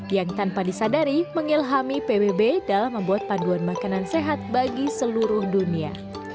yang tanpa disadari mengilhami pbb dalam membuat paduan makanan sehat bagi seluruh dunia